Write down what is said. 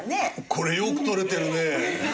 これよく撮れてるねえ。